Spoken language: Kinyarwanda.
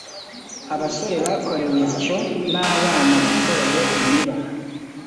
Abasore bakorewe insyo N abana bikoreye imiba